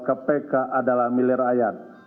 kpk adalah milik rakyat